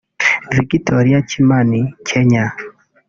Victoria Kimani(Kenya)